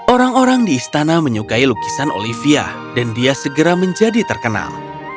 orang orang di istana menyukai lukisan olivia dan dia segera menjadi terkenal